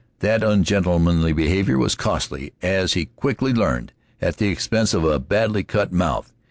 That ungentlemanly behavior was costly, as he quickly learned, at the expense of a badly cut mouth.